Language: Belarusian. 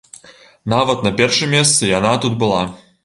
Нават на першым месцы яна тут была.